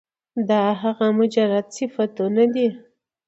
دا هغه مجرد صفتونه دي